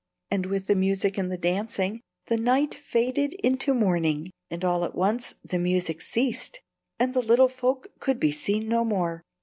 And, with the music and the dancing, the night faded into morning. And all at once the music ceased and the little folk could be seen no more.